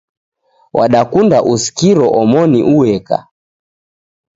Wadakunda usikiro omoni ueka